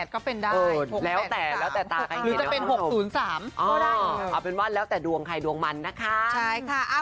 ก็เป็นได้แล้วแต่ตาหรือจะเป็น๖๐๓ก็ได้เอาเป็นว่าแล้วแต่ดวงใครดวงมันนะคะ